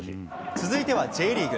続いてはＪリーグ。